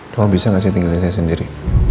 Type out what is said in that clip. kamu bisa gak sih tinggalin saya sendiri